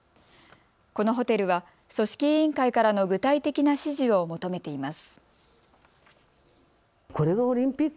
このホテルは組織委員会からの具体的な指示を求めています。